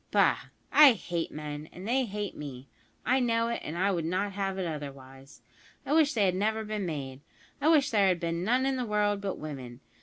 Bah! I hate men, and they hate me, I know it, and I would not have it otherwise. I wish they had never been made. I wish there had been none in the world but women.